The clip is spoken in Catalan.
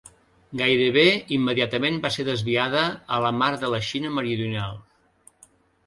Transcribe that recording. Gairebé immediatament va ser desviada a la Mar de la Xina Meridional.